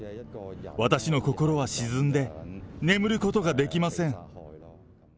私の心は沈んで、眠ることができません。